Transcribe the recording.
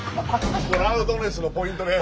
ラウドネスのポイントです。